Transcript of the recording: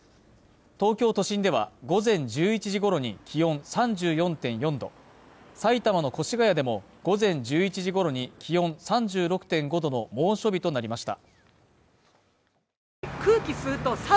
東京都心では午前１１時ごろに気温３４．４度埼玉の越谷でも午前１１時ごろに気温３６．５度の猛暑日となりました